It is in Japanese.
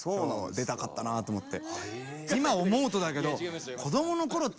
出たかったなと思って。